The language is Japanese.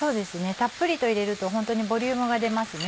たっぷりと入れるとホントにボリュームが出ますね。